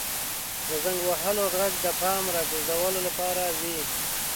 • د زنګ وهلو ږغ د پام راګرځولو لپاره وي.